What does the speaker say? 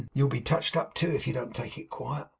You'll be touched up, too, if you don't take it quiet.